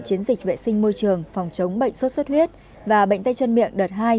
chiến dịch vệ sinh môi trường phòng chống bệnh sốt xuất huyết và bệnh tay chân miệng đợt hai